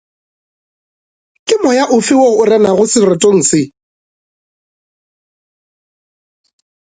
Ke moya ofe wo o renago seretong se?